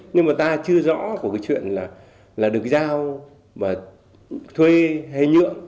nhưng mà ta chưa rõ của cái chuyện là được giao và thuê hay nhượng